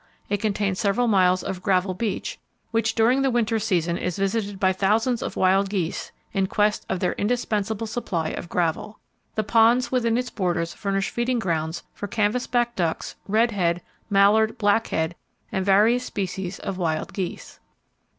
It contains several miles of gravel beach, which during the winter season is visited by thousands of wild geese in quest of their indispensable supply of gravel. The ponds within its borders furnish feeding grounds for canvasback ducks, redhead, mallard, blackhead and various species of wild geese.